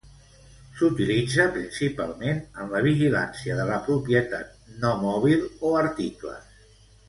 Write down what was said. S'utilitza principalment en la vigilància de la propietat no mòbil o articles.